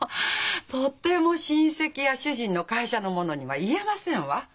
とても親戚や主人の会社の者には言えませんわ。